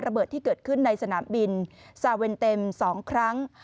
ระเบิดที่เกิดขึ้นในสนามบินซาเวนเต็ม๒ครั้ง